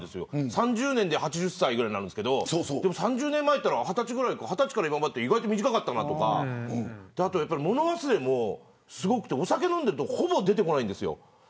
３０年で８０歳ぐらいですけどでも３０年前といったら二十歳か二十歳から今まで短かかったなとかあと、物忘れもすごくてお酒飲んでるとほぼ出てこないんですよ。